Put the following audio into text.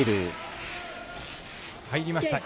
入りましたか。